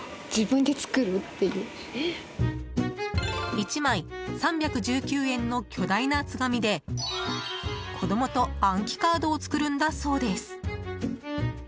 １枚３１９円の巨大な厚紙で子供と暗記カードを作るんだそうです。